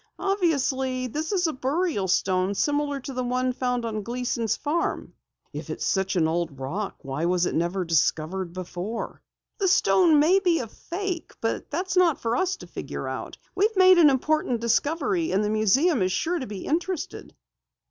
Obviously, this is a burial stone similar to the one found on the Gleason farm." "If it's such an old rock why was it never discovered before?" "The stone may be a fake, but that's not for us to try to figure out. We've made an important discovery and the museum is sure to be interested!"